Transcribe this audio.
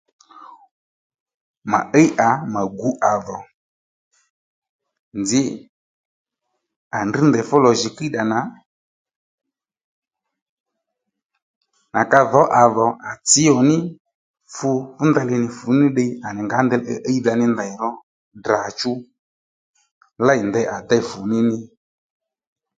Mà íy à mà gǔ à dhò nzǐ à ndrŕ ndèy fú lò jì kíyddà nà à kà ka dhǒ à dhò à tsǐ fu fú ndeyli nì fùní ní ddiy à nì ngǎ ndeyli íy íydha ní ndey ró Ddrà chú lêy ndey à déy fùní ní